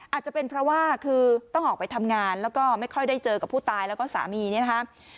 อาจจะเป็นเพราะว่าคือต้องออกไปทำงานแล้วก็ไม่ค่อยได้เจอกับผู้ตายแล้วก็สามีเนี่ยนะคะ